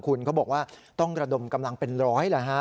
คุณเขาบอกว่าต้องระดมกำลังเป็นร้อยเลยฮะ